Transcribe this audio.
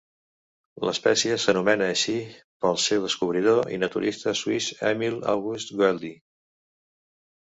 L'espècie s'anomena així pel seu descobridor, el naturalista suïs Emil August Goeldi.